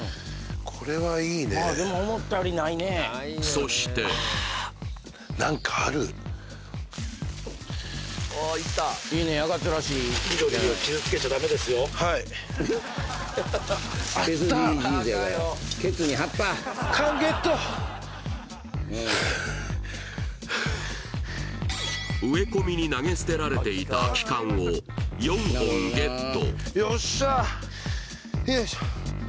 そしてようやくそして植え込みに投げ捨てられていた空き缶を４本ゲット。